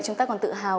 chúng ta còn tự hào